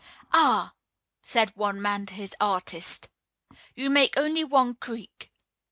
"Ah!" said one man to his artist, "you make only one creek."